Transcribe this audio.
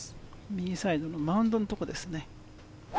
右サイドのマウンドのところです。